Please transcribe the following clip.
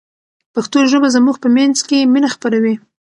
پښتو ژبه زموږ په منځ کې مینه خپروي.